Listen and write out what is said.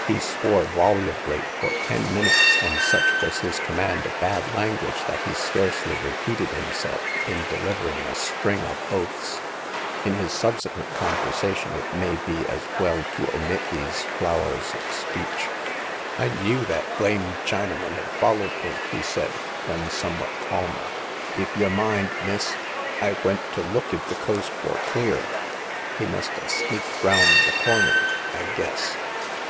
He swore volubly for ten minutes ; and such was his command of bad language that he scarcely re peated himself in delivering a string of oaths. In his subsequent conversation it may be as well to omit these flowers of speech. I knew that blamed Chinaman had followed me !" he said, when somewhat calmer ;" if y' mind, miss, I went to look if the coast wor clear. He must ha' sneaked round the corner, I guess.